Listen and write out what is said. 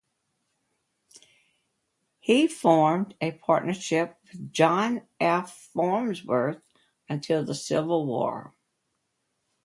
He formed a partnership with John F. Farnsworth until the Civil War.